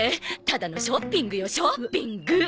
ただのショッピングよショッピング！